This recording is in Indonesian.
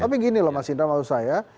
tapi gini loh mas indra maksud saya